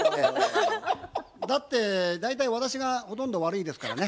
だって大体私がほとんど悪いですからね。